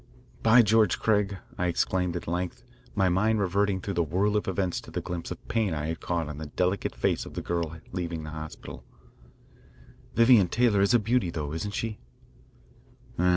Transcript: "By George, Craig," I exclaimed at length, my mind reverting through the whirl of events to the glimpse of pain I had caught on the delicate face of the girl having the hospital, "Vivian Taylor is a beauty, though, isn't she?"